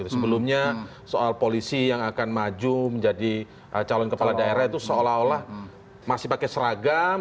sebelumnya soal polisi yang akan maju menjadi calon kepala daerah itu seolah olah masih pakai seragam